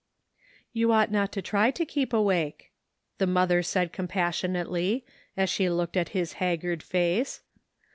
" You ought not to try to keep awake," the mother said compassionately, as she looked at his haggard face.